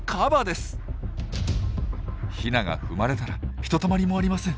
ヒナが踏まれたらひとたまりもありません。